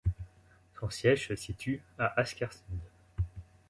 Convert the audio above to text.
Son siège se situe à Askersund.